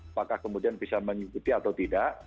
apakah kemudian bisa mengikuti atau tidak